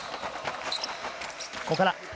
ここから。